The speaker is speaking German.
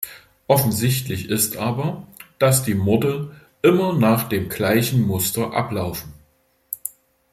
Offensichtlich ist aber, dass die Morde immer nach dem gleichen Muster ablaufen.